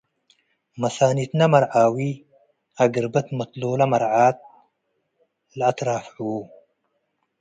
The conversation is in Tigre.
መሳኒትለ መርዓዊ አግርበት መትሎለ መርዓት ለአትራፍዕ ዉ ።